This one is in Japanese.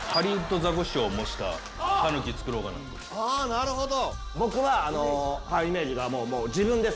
なるほど。